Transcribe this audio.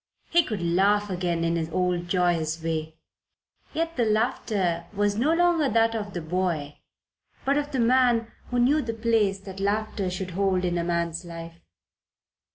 He could laugh again in his old joyous way; yet the laughter was no longer that of the boy, but of the man who knew the place that laughter should hold in a man's life.